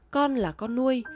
con là con nuôi